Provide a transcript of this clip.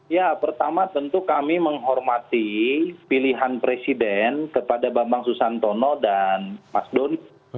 ya pertama tentu kami menghormati pilihan presiden kepada bambang susantono dan mas doni